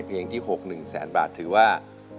เพลงที่๖๑แสนบาทถือว่า